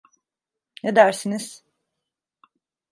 Ne dersiniz?